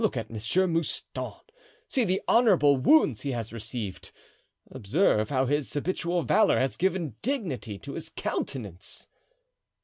Look at Monsieur Mouston, see the honorable wounds he has received, observe how his habitual valor has given dignity to his countenance."